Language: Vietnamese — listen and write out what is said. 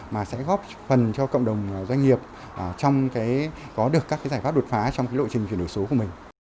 mà sẽ góp phần cho cộng đồng doanh nghiệp có được các giải pháp đột phá trong lộ trình chuyển đổi số của mình